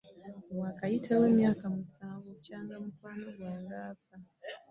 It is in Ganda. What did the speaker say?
Waakayitawo emyaka musanvu bukyanga mukwano gwange afa.